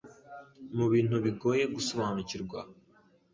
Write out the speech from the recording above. mu bintu bigoye gusobanukirwa,